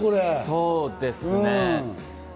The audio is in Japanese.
そうですね。